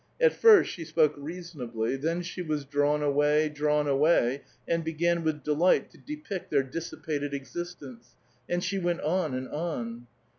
At first she spoke reasonably; then she wns drawn away, drawn away, and began with delight to depict their dissipated existence, and she went on and on.